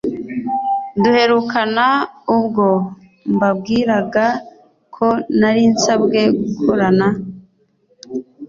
Duherukana ubwo mbabwiraga ko narinsabwe gukorana